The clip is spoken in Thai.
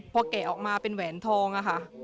พอแกะออกมาเป็นแหวนทองอะค่ะ